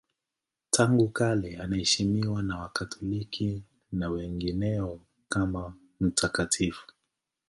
Tangu kale anaheshimiwa na Wakatoliki na wengineo kama mtakatifu.